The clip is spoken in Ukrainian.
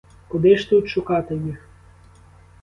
Куди ж тут шукати їх?